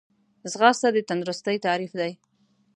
ځغاسته د تندرستۍ تعریف دی